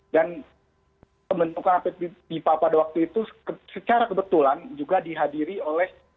dan pembentukan app bipa pada waktu itu secara kebetulan juga dihadiri oleh